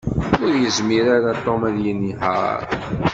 Ur yezmir ara Tom ad yenheṛ.